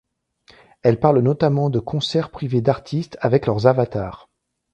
Elle parle notamment de concerts privés d'artistes avec leurs avatars.